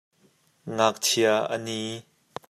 Ngakchia a ni.